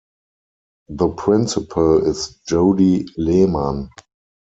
The principal is Jody Lehmann.